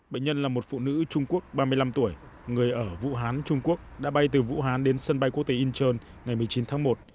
bệnh nhân là một phụ nữ trung quốc ba mươi năm tuổi người ở vũ hán trung quốc đã bay từ vũ hán đến sân bay quốc tế incheon ngày một mươi chín tháng một